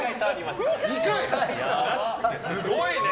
すごいね！